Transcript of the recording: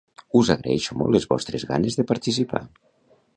Us agraeixo molt les vostres ganes de participar!